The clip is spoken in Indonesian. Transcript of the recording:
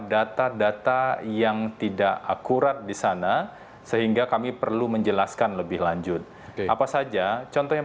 data data yang tidak akurat di sana sehingga kami perlu menjelaskan lebih lanjut apa saja contoh yang